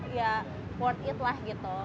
ya worth it lah